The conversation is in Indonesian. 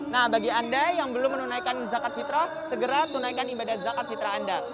nah bagi anda yang belum menunaikan zakat fitrah segera tunaikan ibadah zakat fitrah anda